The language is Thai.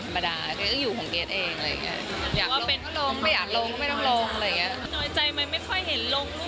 ไม่ค่อยเห็นลงรูปคู่